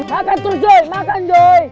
makan terus joy makan joy